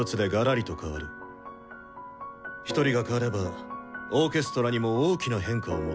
一人が変わればオーケストラにも大きな変化をもたらすだろう。